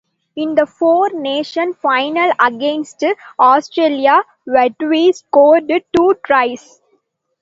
In the Four Nations final against Australia, Vatuvei scored two tries.